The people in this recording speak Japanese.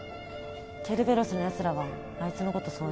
ケルベロスのやつらはあいつのことそう呼ぶ。